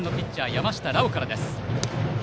山下羅馬からです。